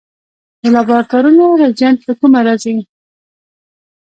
د لابراتوارونو ریجنټ له کومه راځي؟